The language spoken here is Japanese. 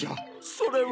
それは。